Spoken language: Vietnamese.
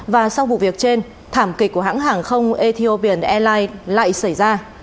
và sau vụ việc trên thảm kịch của hãng hàng không ethiopian airlines lại xảy ra